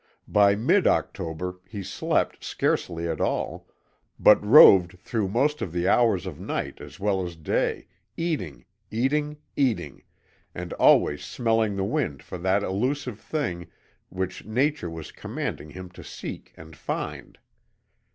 By mid October he slept scarcely at all, but roved through most of the hours of night as well as day, eating, eating, eating, and always smelling the wind for that elusive thing which Nature was commanding him to seek and find.